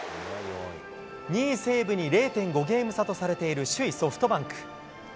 ２位西武に０．５ゲーム差とされている首位ソフトバンク。